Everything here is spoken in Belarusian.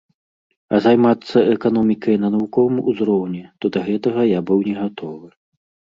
А займацца эканомікай на навуковым узроўні, то да гэтага я быў негатовы.